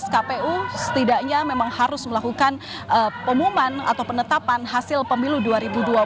kpu setidaknya memang harus melakukan pengumuman atau penetapan hasil pemilu dua ribu dua puluh empat di tanggal dua puluh maret dua ribu dua puluh satu